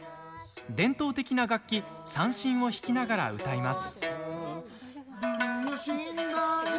伝統的な楽器三線を弾きながら歌います。